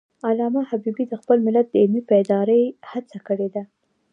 علامه حبیبي د خپل ملت د علمي بیدارۍ هڅه کړی ده.